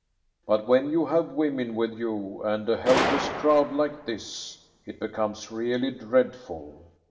But when you have women with you, and a helpless crowd like this, it becomes really dreadful.